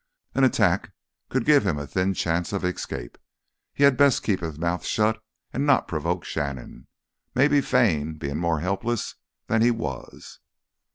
An attack could give him a thin chance of escape. He had best keep his mouth shut and not provoke Shannon, maybe feign being more helpless than he was.